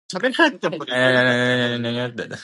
It is only known from several historical specimens.